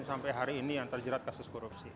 sampai hari ini yang terjerat kasus korupsi